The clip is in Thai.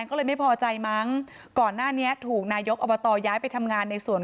ก็เลยไม่พอใจมั้ง